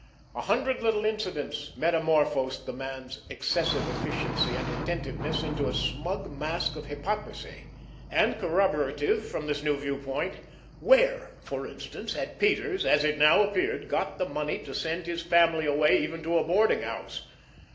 A hundred little incidents metamorphosed the man's excessive efficiency and attentiveness into a smug mask of hypocrisy. And, corroborative from this new viewpoint, where, for instance, had Peters, as it now appeared, got the money to send his family away even to a boarding house?